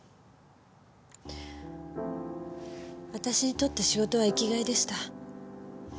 私にとって仕事は生きがいでした。